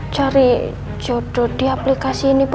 cari jodoh di aplikasi ini bu